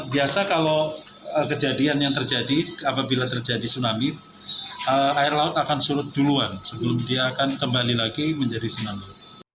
biasa kalau kejadian yang terjadi apabila terjadi tsunami air laut akan surut duluan sebelum dia akan kembali lagi menjadi tsunami